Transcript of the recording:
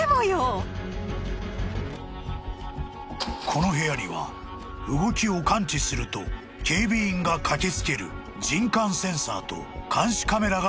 ［この部屋には動きを感知すると警備員が駆け付ける人感センサーと監視カメラが設置］